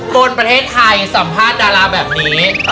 คนประเทศไทยสัมภาษณ์ดาราแบบนี้